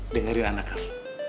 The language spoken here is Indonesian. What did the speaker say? dengerin anak kamu